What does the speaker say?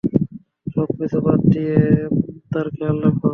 সবকিছু বাদ দিয়ে তার খেয়াল রাখো।